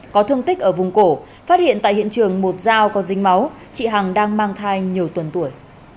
có thương tích ở vùng cổ phát hiện tại hiện trường một dao có dính máu chị hằng đang mang thai nhiều tuần tuổi